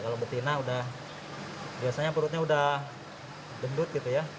kalau betina udah biasanya perutnya udah gendut gitu ya